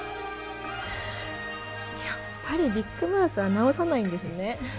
やっぱりビッグマウスは直さないんですね